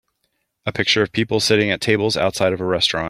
A picture of people sitting at tables outside of a restaurant.